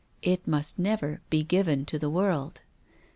It must never be given to the world.